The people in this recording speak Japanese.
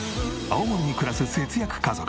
青森に暮らす節約家族。